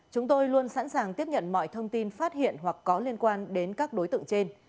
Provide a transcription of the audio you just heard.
chúng tôi luôn sẵn sàng tiếp nhận mọi thông tin phát hiện hoặc có liên quan đến các đối tượng trên